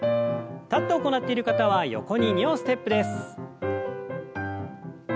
立って行っている方は横に２歩ステップです。